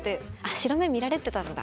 白目見られてたんだ。